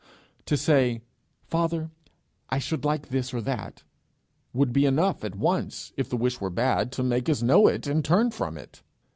To say, 'Father, I should like this or that,' would be enough at once, if the wish were bad, to make us know it and turn from it.